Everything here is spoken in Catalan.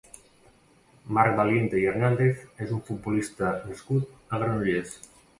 Marc Valiente i Hernández és un futbolista nascut a Granollers.